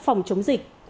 phòng chống dịch